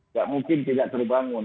tidak mungkin tidak terbangun